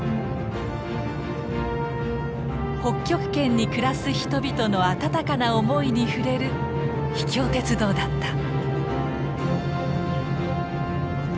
北極圏に暮らす人々の温かな思いに触れる秘境鉄道だった。